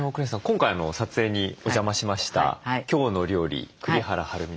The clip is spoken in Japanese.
今回撮影にお邪魔しました「きょうの料理栗原はるみのキッチン日和」です